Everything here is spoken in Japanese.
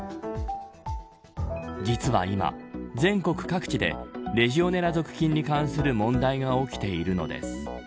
実は今、全国各地でレジオネラ属菌に関する問題が起きているのです。